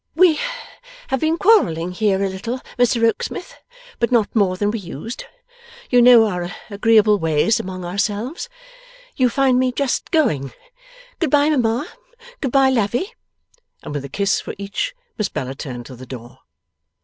'We have been quarrelling here a little, Mr Rokesmith, but not more than we used; you know our agreeable ways among ourselves. You find me just going. Good bye, mamma. Good bye, Lavvy!' and with a kiss for each Miss Bella turned to the door.